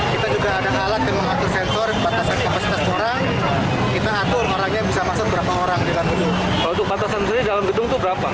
kita atur orangnya bisa masuk berapa orang